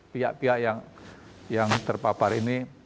pihak pihak yang terpapar ini